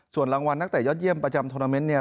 ส่วนรางวัลนักเตะยอดเยี่ยมประจำโทรนาเมนต์เนี่ย